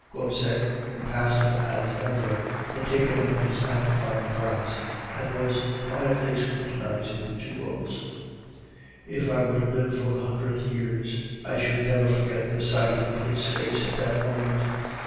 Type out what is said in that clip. Gobseck, impassive as ever, had taken up his magnifying glass, and was quietly scrutinizing the jewels. If I were to live for a hundred years, I should never forget the sight of his face at that moment.